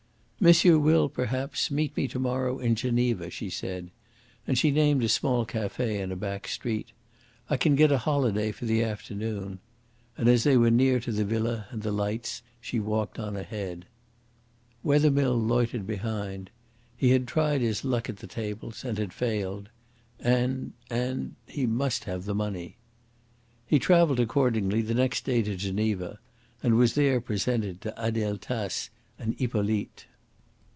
"Monsieur will, perhaps, meet me to morrow in Geneva," she said. And she named a small cafe in a back street. "I can get a holiday for the afternoon." And as they were near to the villa and the lights, she walked on ahead. Wethermill loitered behind. He had tried his luck at the tables and had failed. And and he must have the money. He travelled, accordingly, the next day to Geneva, and was there presented to Adele Tace and Hippolyte.